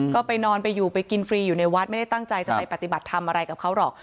ก็ไปนอนไปอยู่ไปกินฟรีอยู่ในวัดไม่ได้ตั้งใจจะไปปฏิบัติทำอะไรกับเขาหรอก